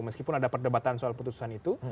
meskipun ada perdebatan soal putusan itu